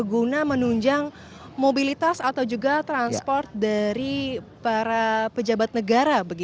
guna menunjang mobilitas atau juga transport dari para pejabat negara